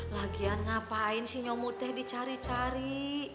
lagian ngapain si nyomoteh dicari cari